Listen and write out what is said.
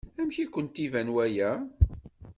Amek i kent-iban waya?